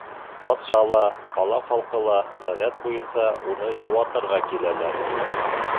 Батша ла, ҡала халҡы ла, ғәҙәт буйынса, уны йыуатырға киләләр.